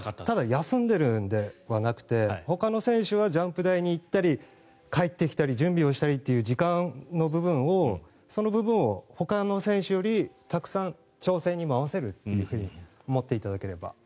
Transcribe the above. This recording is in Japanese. ただ休んでいるのではなくてほかの選手はジャンプ台に行ったり帰ってきたり準備をしたりという時間の部分を、その部分をほかの選手よりたくさん調整に回せると思っていただければ。